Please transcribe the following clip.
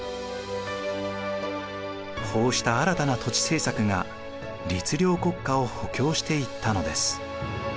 こうした新たな土地政策が律令国家を補強していったのです。